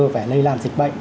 về lây lan dịch bệnh